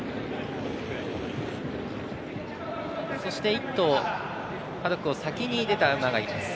１頭、パドックを先に出た馬がいます。